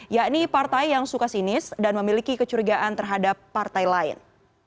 yakni partai yang suka sinis dan memiliki kecurigaan terhadap partai lain